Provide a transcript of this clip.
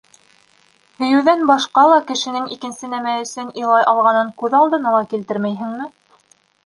Һөйөүҙән башҡа ла кешенең икенсе нәмә өсөн илай алғанын күҙ алдына ла килтермәйһеңме?